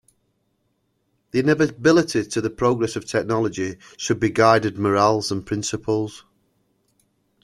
The inevitability to the progress of technology should be guided morals and principles.